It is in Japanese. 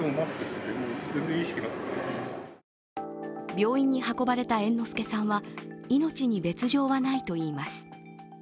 病院に運ばれた猿之助さんは命に別状はないといいます。